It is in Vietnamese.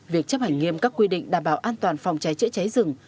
việc chấp hành nghiêm các quy định đảm bảo an toàn phòng cháy chữa cháy rừng